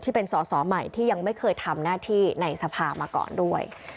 เป็นสอสอใหม่ที่ยังไม่เคยทำหน้าที่ในสภามาก่อนด้วย